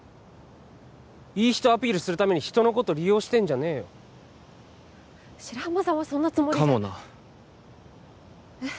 いい人アピールするために人のこと利用してんじゃねえよ白浜さんはそんなつもりじゃかもなえっ！？